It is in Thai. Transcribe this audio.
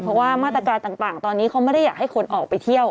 เพราะว่ามาตรการต่างตอนนี้เขาไม่ได้อยากให้คนออกไปเที่ยว